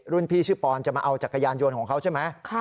รุ่นพี่ชื่อปอนด์จะมาเอาจากกระยานโยนของเขาใช่ไหม